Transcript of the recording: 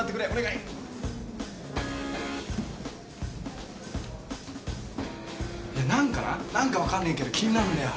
いや何かな何か分かんねえけど気になんだよ。